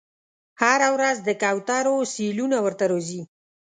هره ورځ د کوترو سیلونه ورته راځي